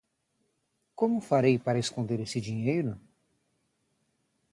Como farei para esconder esse dinheiro?